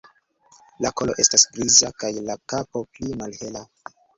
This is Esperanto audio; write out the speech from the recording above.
La kolo estas griza kaj la kapo pli malhela.